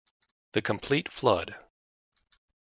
The complete Flood!